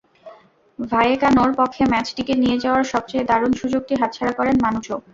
ভায়েকানোর পক্ষে ম্যাচটিকে নিয়ে যাওয়ার সবচেয়ে দারুণ সুযোগটি হাতছাড়া করেন মানুচো।